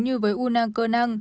như với u năng cơ năng